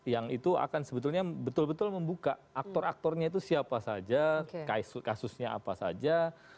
yang itu akan sebetulnya betul betul membuka aktor aktornya itu siapa saja kasusnya apa saja